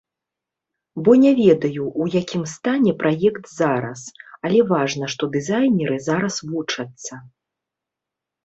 Бо не ведаю, у якім стане праект зараз, але важна, што дызайнеры зараз вучацца.